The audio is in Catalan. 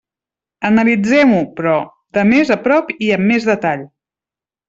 Analitzem-ho, però, de més a prop i amb més detall.